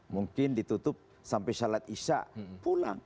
mungkin ditutup sampai salat isya pulang